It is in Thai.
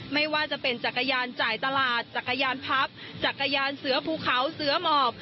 ไม่ว่าจะเป็นจักรยานจ่ายตลาดจักรยานพับจักรยานเสือภูเขาเสือหมอบ